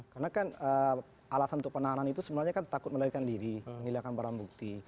karena kan alasan untuk penahanan itu sebenarnya kan takut menarikan diri menilihakan barang bukti